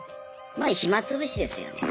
まあ暇つぶしですよね。